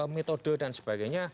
metode dan sebagainya